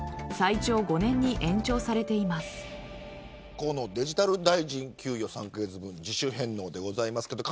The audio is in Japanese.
河野デジタル大臣給与３カ月分自主返納です。